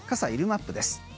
マップです。